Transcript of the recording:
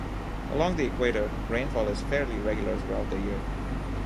Along the Equator, rainfall is fairly regular throughout the year.